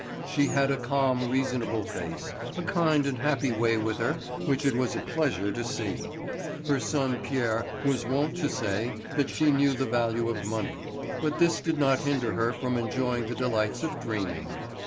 She had a calm, reasonable face, a kind and happy way with her which it was a pleasure to see. Her son Pierre was wont to say that she knew the value of money, but this did not hinder her from enjoying the delights of dreaming.